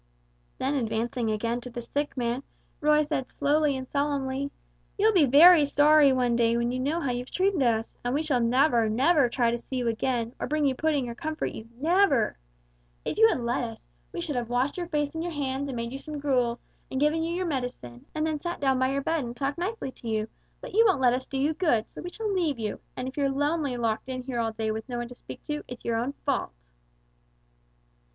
Then advancing again to the sick man Roy said slowly and solemnly, "You'll be very sorry one day when you know how you've treated us, and we shall never, never try to see you again, or bring you pudding or comfort you, never! If you had let us, we should have washed your face and hands, and made you some gruel, and given you your medicine, and then sat down by your bed and talked nicely to you, but you won't let us do you good, so we shall leave you, and if you're lonely locked in here all day with no one to speak to, it's your own fault!"